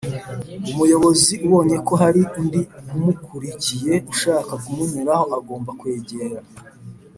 Umuyobozi ubonye ko hari undi umukurikiye ushaka kumunyuraho agomba kwegera